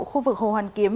khu vực hồ hoàn kiếm